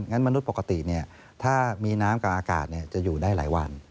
มนุษย์ปกติถ้ามีน้ำกับอากาศจะอยู่ได้หลายวัน